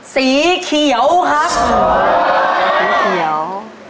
สีเขียวครับ